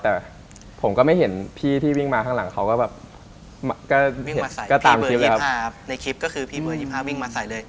แต่ความจริงไม่ได้มาห้าม